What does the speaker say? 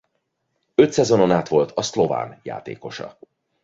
Öt szezonon át volt a Slovan játékosa.